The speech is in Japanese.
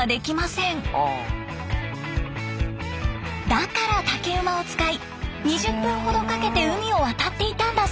だから竹馬を使い２０分ほどかけて海を渡っていたんだそうです。